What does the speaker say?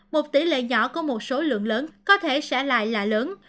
một tỷ lệ nhỏ của một số lượng lớn có thể sẽ lại là lớn